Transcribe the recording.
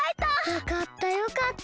よかったよかった。